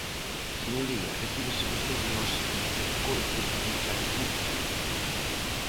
Señoría, ¿refírese vostede aos recortes do Bipartito?